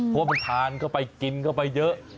เพราะว่ามันทานเข้าไปกินเข้าไปเยอะ